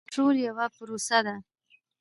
کنټرول یوه پروسه ده.